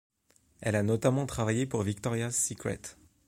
Elle a notamment travaillé pour Victoria's Secret.